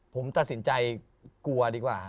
ผมตัดสินใจกลัวดีกว่า